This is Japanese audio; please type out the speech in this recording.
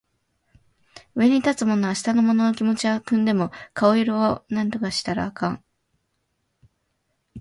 上に立つ者は下の者の気持ちは汲んでも顔色は窺ったらあかん